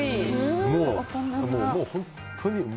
もう本当に。